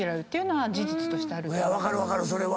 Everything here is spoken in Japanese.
分かる分かるそれは。